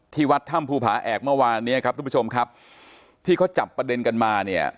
วัดถ้ำภูผาแอกเมื่อวานเนี้ยครับทุกผู้ชมครับที่เขาจับประเด็นกันมาเนี่ย